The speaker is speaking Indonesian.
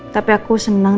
tapi aku senang